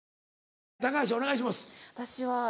橋お願いします。